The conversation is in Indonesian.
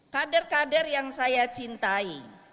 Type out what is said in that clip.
kader kader yang saya cintai